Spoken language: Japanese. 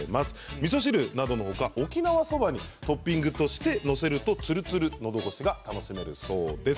みそ汁などのほか沖縄そばにトッピングとして載せるとつるつるののどごしが楽しめるそうです。